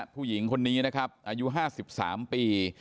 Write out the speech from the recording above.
ผู้หญิงคนนี้นะครับอายุ๕๓ปี